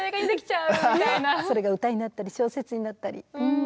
それが歌になったり小説になったり。